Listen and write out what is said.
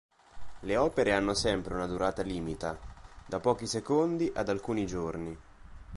Le opere hanno sempre una durata limita, da pochi secondi ad alcuni giorni.